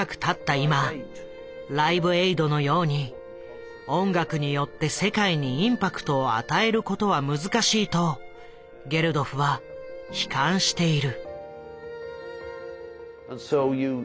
今「ライブエイド」のように音楽によって世界にインパクトを与えることは難しいとゲルドフは悲観している。